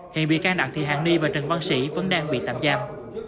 hiện bị can đẳng thì hạng ni và trần văn sĩ vẫn đang bị tạm giam